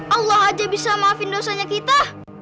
allah aja bisa maafin dosanya kita